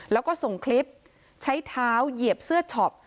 แล้วก็ส่งคลิปใช้เท้าเหยียบเสื้อช็อป